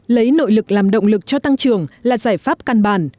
lấy nội lực làm động lực cho tăng trưởng là giải pháp căn bản